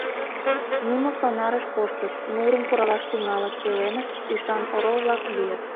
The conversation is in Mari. Нуно сонарыш коштыт, нурым куралаш тӱҥалыт, пеленышт ӱшан орол-влак лийыт.